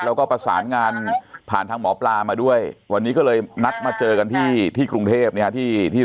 แล้วก็ประสานงานผ่านทางหมอปลามาด้วยวันนี้ก็เลยนัดมาเจอกันที่ที่กรุงเทพเนี่ยที่ที่